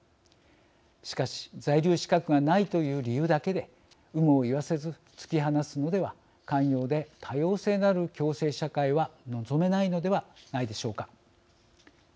しかし、在留資格がないという理由だけで有無を言わせず突き放すのでは寛容で多様性のある共生社会は望めないのではないでしょうか。